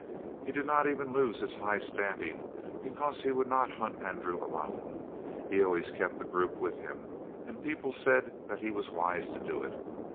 He did not even lose his high standing because he would not hunt Andrew alone. He always kept a group with him, and people said that he was wise to do it.